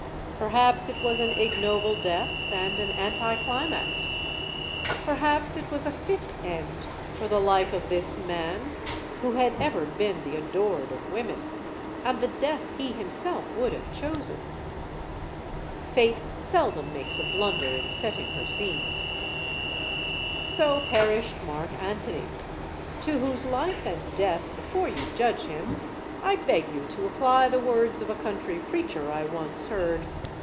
Perhaps it was an ignoble death, and an anticlimax. Perhaps it was a fit end for the life of this man, who had ever been the adored of women; and the death he himself would have chosen. Fate seldom makes a blunder in setting her scenes. CLEOPATRA 155 So perished Mark Antony; to whose life and death, before you judge him, I beg you to apply the words of a country preacher I once heard.